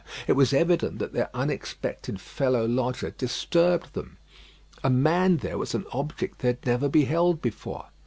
It was evident that their unexpected fellow lodger disturbed them. A man there was an object they had never beheld before.